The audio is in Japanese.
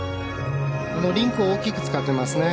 このリンクを大きく使ってますね。